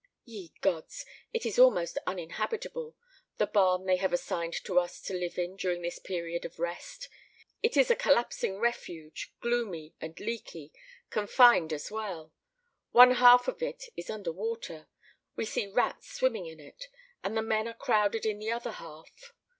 Ye gods! It is almost uninhabitable, the barn they have assigned to us to live in during this period of rest. It is a collapsing refuge, gloomy and leaky, confined as a well. One half of it is under water we see rats swimming in it and the men are crowded in the other half.